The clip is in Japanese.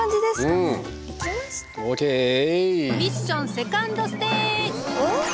ミッションセカンドステージ。